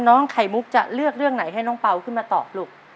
ไข่มุกจะเลือกเรื่องไหนให้น้องเปล่าขึ้นมาตอบลูก